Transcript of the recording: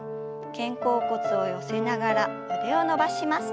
肩甲骨を寄せながら腕を伸ばします。